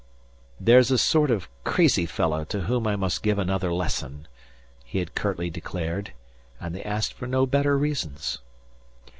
"There's a sort of crazy fellow to whom I must give another lesson," he had curtly declared, and they asked for no better reasons.